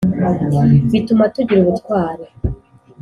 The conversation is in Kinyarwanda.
bituma tugira ubutwari.